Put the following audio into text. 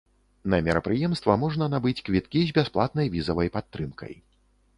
На мерапрыемства можна набыць квіткі з бясплатнай візавай падтрымкай.